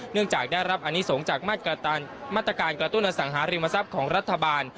เนื่องจากได้รับอนิสงฆ์จากมาตรการกระตุ้นอสังหาริมทรัพย์ของรัฐบาล